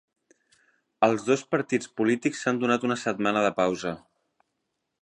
Els dos partits polítics s'han donat una setmana de pausa